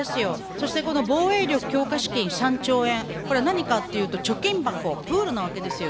そしてこの防衛力強化資金３兆円、これは何かっていうと、貯金箱、プールなわけですよ。